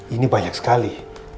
ini banyak sekali